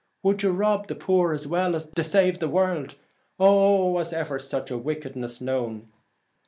' Would you rob the poor as well as desave the world ? O, was ever such wickedness known